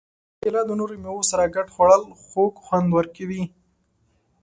کېله د نورو مېوو سره ګډه خوړل خوږ خوند ورکوي.